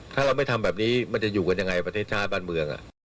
ถ้าเราไม่ทำแบบนี้มันจะอยู่กันยังไงประเทศชาติบ้านเมือง